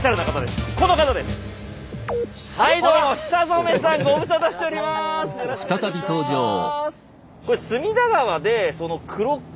よろしくお願いします。